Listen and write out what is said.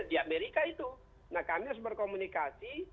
di amerika itu nah kami harus berkomunikasi